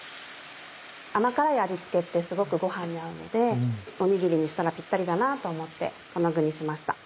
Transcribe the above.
甘辛い味付けってすごくご飯に合うのでおにぎりにしたらピッタリだなと思ってこの具にしました。